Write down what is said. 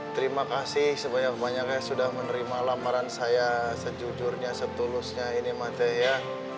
terima kasih sebanyak banyaknya sudah menerima lamaran saya sejujurnya setulusnya ini materi ya